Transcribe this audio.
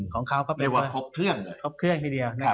ของเขาก็เป็นว่าครบเครื่องที่เดียว